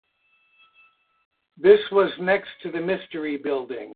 This was next to the "Mystery Building".